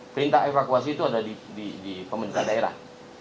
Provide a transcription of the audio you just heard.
perintah evakuasi itu ada di pemerintah daerah